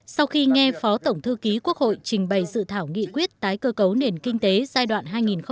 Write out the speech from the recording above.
sau khi nghe phó tổng thư ký quốc hội trình bày dự thảo nghị quyết tái cơ cấu nền kinh tế giai đoạn hai nghìn hai mươi một hai nghìn hai mươi